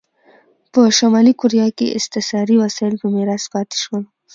په شلي کوریا کې استثاري وسایل په میراث پاتې شول.